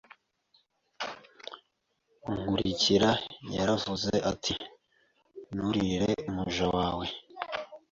Nkurikira yaravuze ati Nturirire umuja we